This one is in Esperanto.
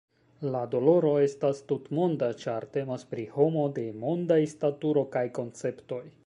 La doloro estas tutmonda, ĉar temas pri homo de mondaj staturo kaj konceptoj.